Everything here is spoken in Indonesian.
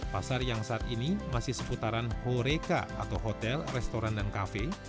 pasar yang saat ini masih seputaran horeca atau hotel restoran dan kafe